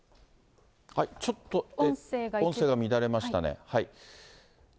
ちょっと音声が乱れましたね。